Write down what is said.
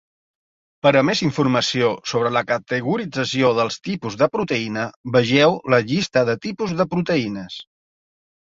Per a més informació sobre la categorització dels "tipus" de proteïna, vegeu la Llista de tipus de proteïnes.